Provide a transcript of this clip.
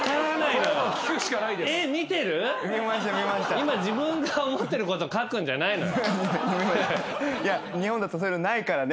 今自分が思ってること書くんじゃないのよ。